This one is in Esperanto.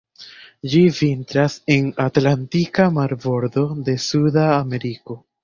Ĝi vintras en atlantika marbordo de Suda Ameriko.